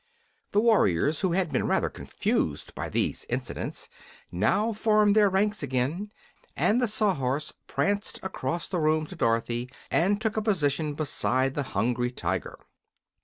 The warriors, who had been rather confused by these incidents, now formed their ranks again, and the Sawhorse pranced across the room to Dorothy and took a position beside the Hungry Tiger.